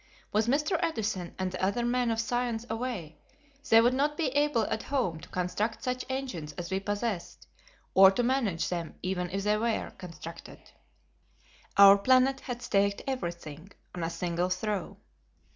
With Mr. Edison and the other men of science away, they would not be able at home to construct such engines as we possessed, or to manage them even if they were constructed. Our planet had staked everything on a single throw.